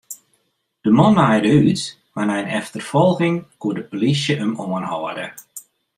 De man naaide út, mar nei in efterfolging koe de polysje him oanhâlde.